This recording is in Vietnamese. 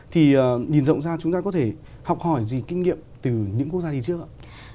thì nhìn rộng ra chúng ta có thể học hỏi gì kinh nghiệm từ những quốc gia hay chưa ạ